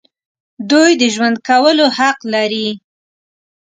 دوی د ژوند کولو حق لري.